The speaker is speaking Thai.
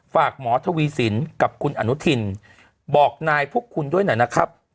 ฝากหมอทวีสินกับคุณอนุทินบอกนายพวกคุณด้วยหน่อยนะครับ